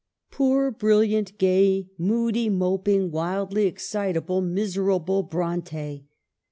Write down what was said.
" Poor, brilliant, gay, moody, moping, wildly ex citable, miserable Bronte